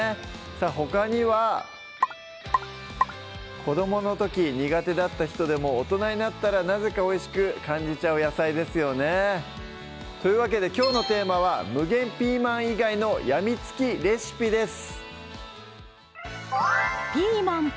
さぁほかには子供の時苦手だった人でも大人になったらなぜかおいしく感じちゃう野菜ですよねというわけできょうのテーマは「無限ピーマン以外のやみつきレシピ」です